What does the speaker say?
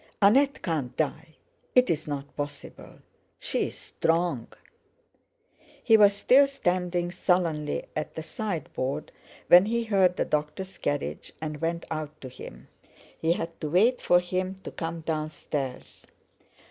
Annette can't die; it's not possible. She's strong!" He was still standing sullenly at the sideboard when he heard the doctor's carriage, and went out to him. He had to wait for him to come downstairs.